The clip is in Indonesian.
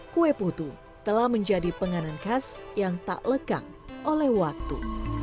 kue putu telah menjadi penganan khas yang tak lekang oleh waktu